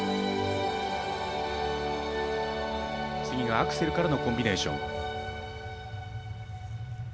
次がアクセルからのコンビネーション。